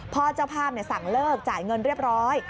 เจ้าภาพสั่งเลิกจ่ายเงินเรียบร้อย